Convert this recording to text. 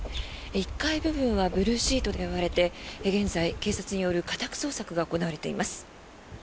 １階部分はブルーシートで覆われて現在、警察による家宅捜索が行われています。